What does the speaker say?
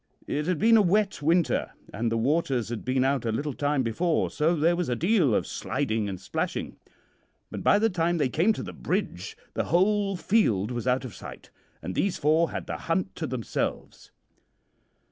It had been a wet winter, and the waters had been out a little time before, so there was a deal of sliding and splashing; but by the time they came to the bridge the whole field was out of sight, and these four had the hunt to themselves.